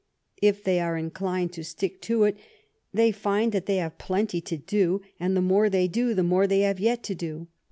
If they are inclined to stick to it, they find that they have plenty to do, and the more they do the more they have yet to do.